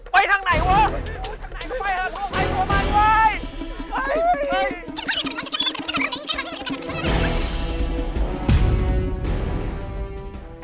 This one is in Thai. ไปหัวมันว่ะ